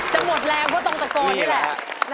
หมดแรงเพราะตรงตะโกนนี่แหละ